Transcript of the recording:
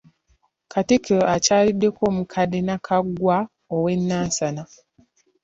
Katikkiro akyaliddeko omukadde Nakaggwa owe Nansana.